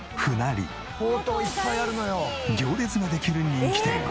行列ができる人気店。